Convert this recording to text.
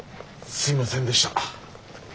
すいませんでした。